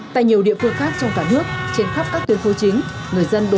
tại nhiều địa phương khác trong cả nước trên khắp các tuyến phố chính